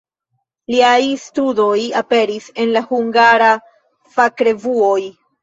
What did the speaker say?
Liaj studoj aperis en hungaraj fakrevuoj.